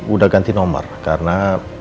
udah ganti nomor karena